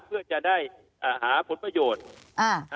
เพื่อจะได้หาผลประโยชน์